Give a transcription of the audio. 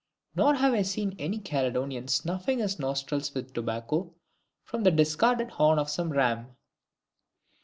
Nor have I seen any Caledonian snuffing his nostrils with tobacco from the discarded horn of some ram.